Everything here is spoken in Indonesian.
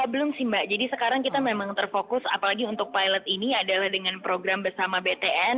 belum sih mbak jadi sekarang kita memang terfokus apalagi untuk pilot ini adalah dengan program bersama btn